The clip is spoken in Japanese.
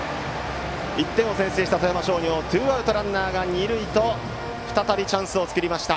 １点を先制した富山商業ツーアウト、ランナーが二塁と再びチャンスを作りました。